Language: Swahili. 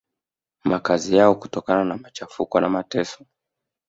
makazi yao kutokana na machafuko na mateso